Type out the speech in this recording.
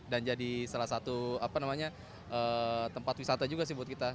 dan jadi salah satu tempat wisata juga sih buat kita